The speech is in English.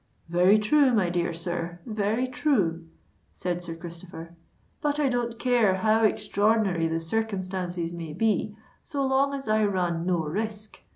"Very true, my dear sir—very true," said Sir Christopher. "But I don't care how extraordinary the circumstances may be, so long as I run no risk.